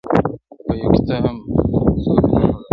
په یوه کتاب څوک نه ملا کېږي -